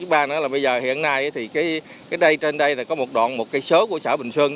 ba nữa là bây giờ hiện nay thì cái đây trên đây là có một đoạn một cây số của xã bình sơn